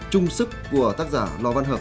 trung sức của tác giả lò văn hợp